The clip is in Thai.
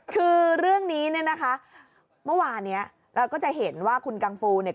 คือเรื่องนี้เนี่ยนะคะเมื่อวานเนี้ยเราก็จะเห็นว่าคุณกังฟูเนี่ย